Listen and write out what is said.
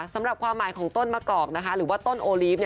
สำหรับความหมายของต้นมะกอกหรือว่าต้นโอลีฟ